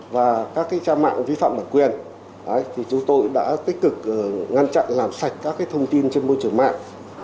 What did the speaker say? và các trang mạng vi phạm bản quyền thì chúng tôi đã tích cực ngăn chặn làm sạch các thông tin trên môi trường mạng